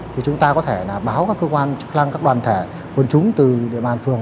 thì chúng ta có thể là báo các cơ quan chức năng các đoàn thể quân chúng từ địa bàn phường